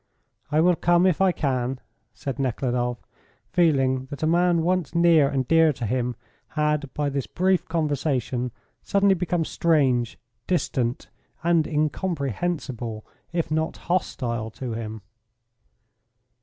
"I will come if I can," said Nekhludoff, feeling that a man once near and dear to him had, by this brief conversation, suddenly become strange, distant, and incomprehensible, if not hostile to him.